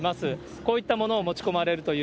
こういったものを持ち込まれるという。